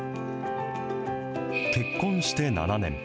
結婚して７年。